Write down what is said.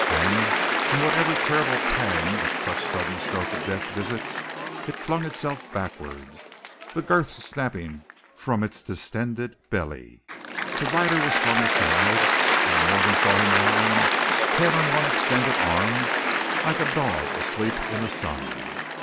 Then, in whatever terrible pang that such sudden stroke of death visits, it flung itself backward, the girths snapping from its distended belly. The rider was flung aside, where Morgan saw him lying, head on one extended arm, like a dog asleep in the sun.